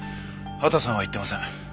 秦さんは行ってません。